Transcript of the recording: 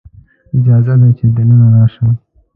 اجازه ده چې دننه راشم؟